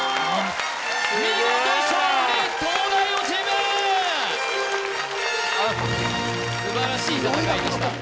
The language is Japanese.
見事勝利東大王チーム素晴らしい戦いでした